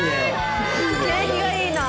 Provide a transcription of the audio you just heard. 景気がいいなあ。